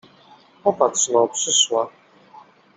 Popatrz no… przyszła!